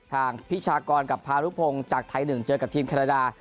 พิชากรกับพารุพงศ์จากไทย๑เจอกับทีมแคนาดา